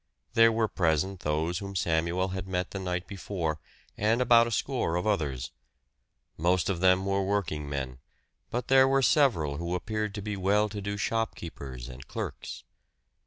There were present those whom Samuel had met the night before, and about a score of others. Most of them were working men, but there were several who appeared to be well to do shopkeepers and clerks.